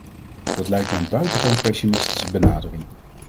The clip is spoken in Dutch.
Dat lijkt me een buitengewoon pessimistische benadering.